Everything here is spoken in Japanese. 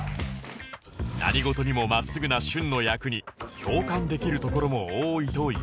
何事にも真っすぐな舜の役に共感できるところも多いと言います